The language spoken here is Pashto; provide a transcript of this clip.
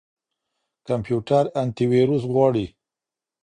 کمپيوټر انټيويروس غواړي.